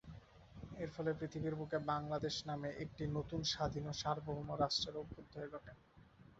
এর ফলে পৃথিবীর বুকে বাংলাদেশ নামে একটি নতুন স্বাধীন ও সার্বভৌম রাষ্ট্রের অভ্যুদয় ঘটে।